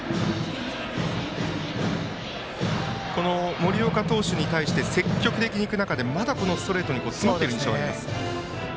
森岡投手に対して積極的に行く中でまだストレートに詰まっている印象があります。